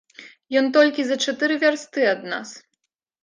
Ён толькі за чатыры вярсты ад нас.